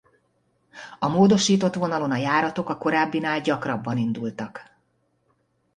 A módosított vonalon a járatok a korábbinál gyakrabban indultak.